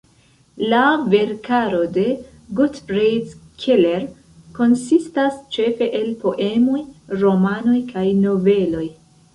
La verkaro de Gottfried Keller konsistas ĉefe el poemoj, romanoj kaj noveloj.